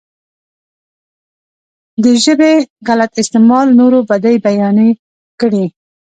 د ژبې غلط استعمال نورو بدۍ بيانې کړي.